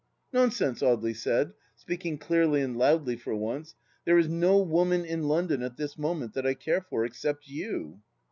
" Nonsense," Audely said, speaking clearly and loudly for once, " There is no woman in London at this moment that I care for except you."